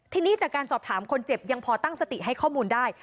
ทีนี้จากการสอบถามคนเจ็บยังพอตั้งสติให้ข้อมูลได้